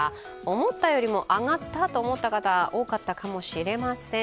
思ったよりも上がったと思った方多かったかもしれません。